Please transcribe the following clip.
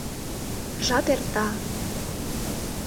Жап эрта.